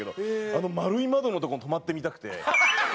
あの丸い窓のとこに泊まってみたくて。